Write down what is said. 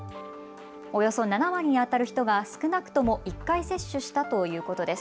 およそ７割にあたる人が少なくとも１回接種したということです。